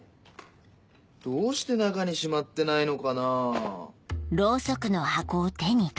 どうして中にしまってないのかな？